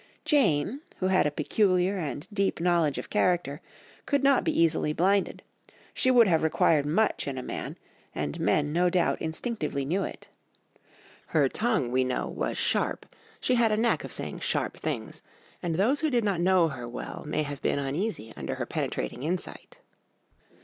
Jane, who had a peculiar and deep knowledge of character, could not be easily blinded, she would have required much in a man, and men no doubt instinctively knew it. Her tongue, we know, was sharp, she had a knack of saying sharp things, and those who did not know her well may have been uneasy under her penetrating insight.